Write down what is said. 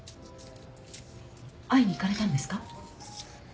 会いに行かれたんですか？